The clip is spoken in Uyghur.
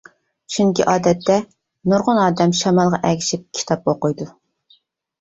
چۈنكى ئادەتتە نۇرغۇن ئادەم شامالغا ئەگىشىپ كىتاب ئوقۇيدۇ.